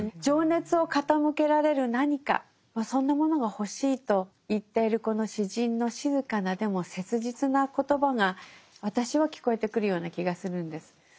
情熱を傾けられる何かそんなものが欲しいと言っているこの詩人の静かなでも切実な言葉が私は聞こえてくるような気がするんです。